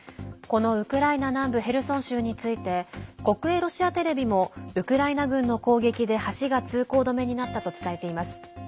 このウクライナ南部ヘルソン州について国営ロシアテレビもウクライナ軍の攻撃で橋が通行止めになったと伝えています。